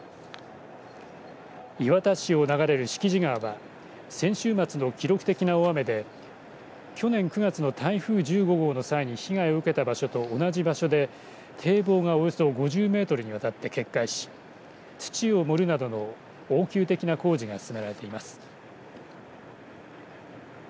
磐田市を流れる敷地川は先週末の記録的な大雨で去年９月の台風１５号の際に被害を受けた場所と同じ場所で、堤防がおよそ５０メートルにわたって決壊し土を盛るなどの応急的な工事が進められています。